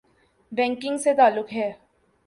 Banking سے تعلق ہے۔